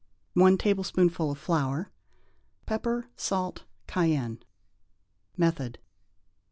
1 tablespoonful of flour. Pepper, salt, cayenne. _Method.